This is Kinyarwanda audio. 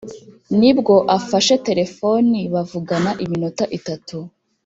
ni bwo afashe telefoni bavugana iminota itatu :